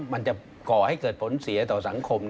มันจะก่อให้เกิดผลเสียต่อสังคม